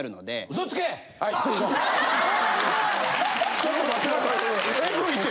ちょっと待ってくださいエグいて。